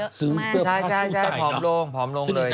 พอสู้ใดละเผาเผาลงสิ